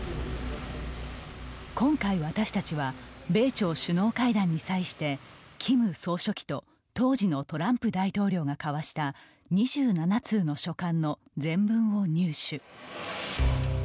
今回私たちは米朝首脳会談に際してキム総書記と当時のトランプ大統領が交わした２７通の書簡の全文を入手。